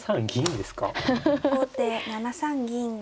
後手７三銀。